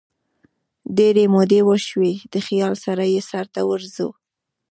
ډیري مودې وشوي دخیال سره یې سرته ورځو